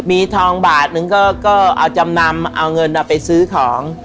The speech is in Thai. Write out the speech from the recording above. มีทองบาทนึงก็เอาจำนำเอาเงินไปซื้อของ